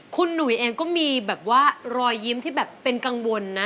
คุณหนุ่ยเองก็มีแบบว่ารอยยิ้มที่แบบเป็นกังวลนะ